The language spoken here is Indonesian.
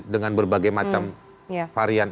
dengan berbagai macam varian